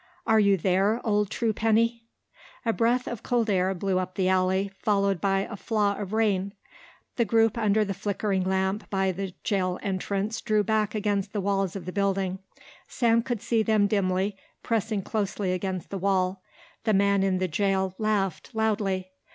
Are you there, old Truepenny?" A breath of cold air blew up the alley followed by a flaw of rain. The group under the flickering lamp by the jail entrance drew back against the walls of the building. Sam could see them dimly, pressing closely against the wall. The man in the jail laughed loudly.